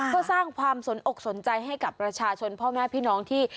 ก็สร้างความสนอกสนใจให้กับประชาชนพ่อแม่พี่น้องที่